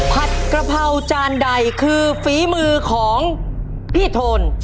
ผัดกระเพราจานใดคือฝีมือของพี่โทน